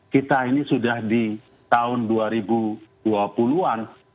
kita ini sudah di tahun dua ribu dua puluh an